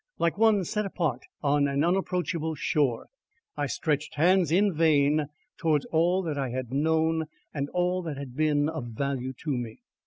Like one set apart on an unapproachable shore, I stretched hands in vain towards all that I had known and all that had been of value to me.